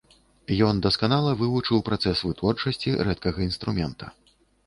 Ён дасканала вывучыў працэс вытворчасці рэдкага інструмента.